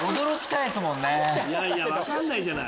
いや分かんないじゃない！